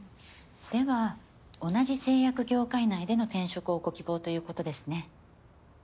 では同じ製薬業界内での転職をご希望ということですね。